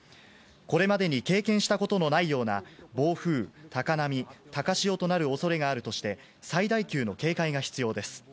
これまでに経験したことのないような暴風、高波、高潮となるおそれがあるとして、最大級の警戒が必要です。